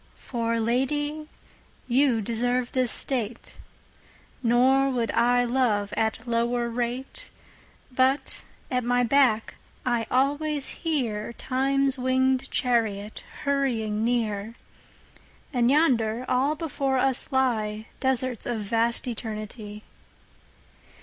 For Lady you deserve this State; Nor would I love at lower rate. But at my back I alwaies hearTimes winged Charriot hurrying near:And yonder all before us lyeDesarts of vast Eternity.